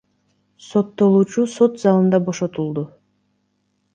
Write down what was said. Соттолуучу сот залында бошотулду.